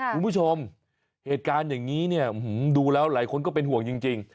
คุณผู้ชมเหตุการณ์อย่างนี้เนี่ยดูแล้วหลายคนก็เป็นห่วงจริง